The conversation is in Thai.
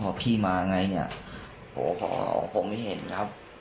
พอพี่มาไงเนี่ยพอผมไม่เห็นครับ